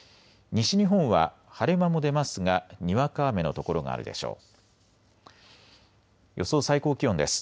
西日本は晴れ間も出ますがにわか雨の所があるでしょう。